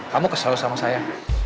kamu kesel sama saya